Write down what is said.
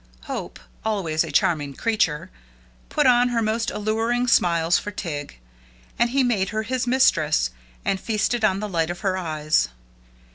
Hope, always a charming creature, put on her most alluring smiles for Tig, and he made her his mistress, and feasted on the light of her eyes.